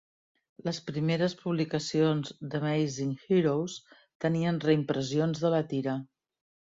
Les primers publicacions d'"Amazing Heroes" tenien reimpressions de la tira.